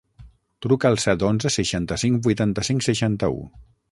Truca al set, onze, seixanta-cinc, vuitanta-cinc, seixanta-u.